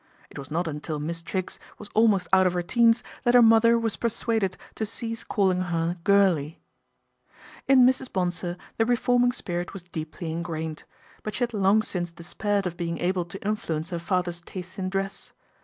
It was not until Miss Triggs was almost out of her teens that her mother was persuaded to cease calling her " Girlie." In Mrs. Bonsor the reforming spirit was deeply ingrained ; but she had long since despaired of being able to influence her father's taste in dress.